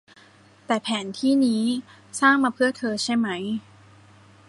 แต่แผนที่นี้สร้างมาเพื่อเธอ ใช่มั้ย